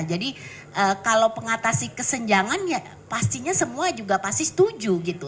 jadi kalau pengatasi kesenjangan ya pastinya semua juga pasti setuju gitu